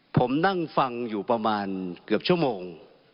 ผมนั่งฟังอยู่ประมาณเกือบชั่วโมง